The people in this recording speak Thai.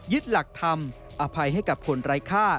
ยึดหลักทำอภัยให้กับคนไร้ค่า